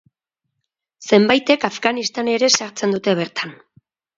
Zenbaitek Afganistan ere sartzen dute bertan.